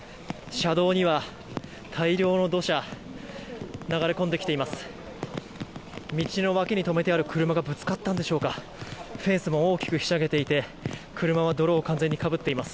車道には大量の土砂が流れ込んできています。